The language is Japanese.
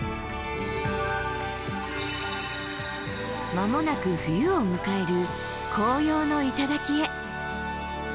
間もなく冬を迎える紅葉の頂へ。